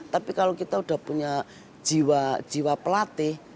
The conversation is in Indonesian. tapi kalau kita sudah punya jiwa pelatih